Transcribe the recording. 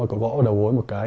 mà có gõ vào đầu gối một cái